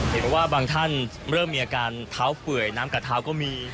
เห็นว่าบางท่านเริ่มมีอาการเท้าเปื่อยน้ำกระเท้าก็มี